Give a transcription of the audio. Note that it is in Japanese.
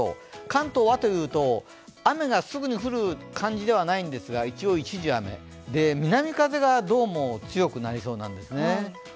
関東はというと、雨がすぐに降る感じではないんですが、一応、一時雨、南風がどうも強くなりそうなんですね。